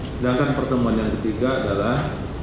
sedangkan pertemuan yang ketiga adalah